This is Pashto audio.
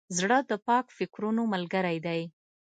زړه د پاک فکرونو ملګری دی.